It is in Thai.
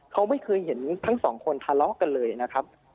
เขาไม่เคยเห็นทั้งสองคนทะเลาะกันเลยนะครับ